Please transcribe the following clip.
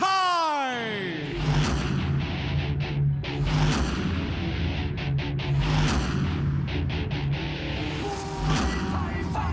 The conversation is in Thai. รับทราบคดชศาลสบุญจันทร์